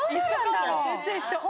めっちゃ一緒！